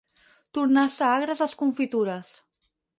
Tornar-se agres les confitures.